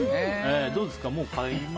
どうですか？